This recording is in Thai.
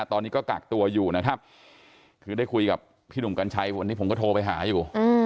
ตอนนี้ก็กักตัวอยู่นะครับคือได้คุยกับพี่หนุ่มกัญชัยวันนี้ผมก็โทรไปหาอยู่